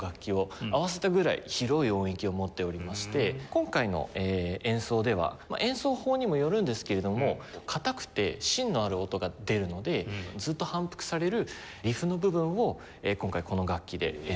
今回の演奏では演奏法にもよるんですけれども硬くて芯のある音が出るのでずっと反復されるリフの部分を今回この楽器で演奏してみます。